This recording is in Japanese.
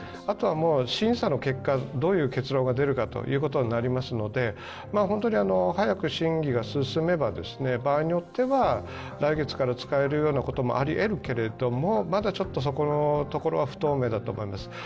あとは審査の結果、どういう結論が出るかになりますので、本当に早く審議が進めば、場合によっては、来月から使えるようなこともありえるけれどもまだそこのところは不透明だと思います。